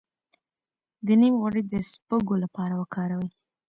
د نیم غوړي د سپږو لپاره وکاروئ